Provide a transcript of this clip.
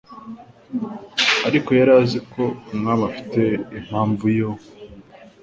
Ariko yari azi ko Umwami afite impamvu yo